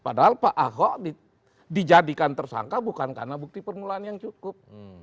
padahal pak ahok dijadikan tersangka bukan karena bukti permulaan yang cukup